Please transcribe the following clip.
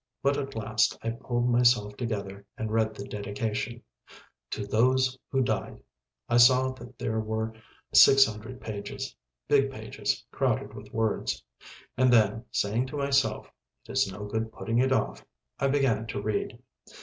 But, at last, I pulled myself together. I read the dedication, "To those who died." I saw that there were 600 pages, big pages crowded with words. And then, saying to myself, "It is no good putting it off," I began to read.